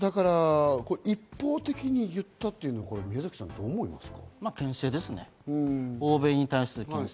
一方的に言ったというのはどう思いますか？